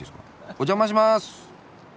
お邪魔します。